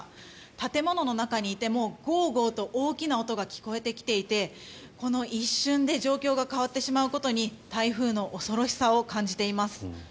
建物の中にいてもゴーゴーと大きな音が聞こえてきていてこの一瞬で状況が変わってしまうことに台風の恐ろしさを感じています。